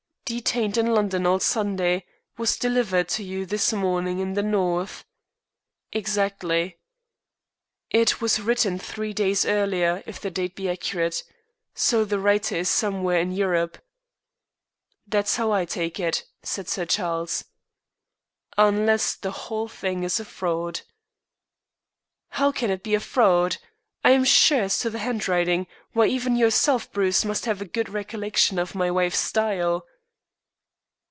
"Detained in London all Sunday, and delivered to you this morning in the North." "Exactly." "It was written three days earlier, if the date be accurate. So the writer is somewhere in Europe." "That's how I take it," said Sir Charles. "Unless the whole thing is a fraud." "How can it be a fraud? I am sure as to the handwriting. Why, even yourself, Bruce, must have a good recollection of my wife's style."